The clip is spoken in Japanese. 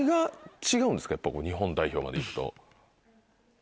やっぱ日本代表まで行くと。